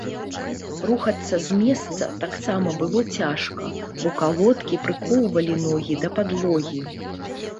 Рухацца з месца таксама было цяжка, бо калодкі прыкоўвалі ногі да падлогі.